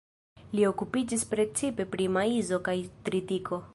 Li okupiĝis precipe pri maizo kaj tritiko.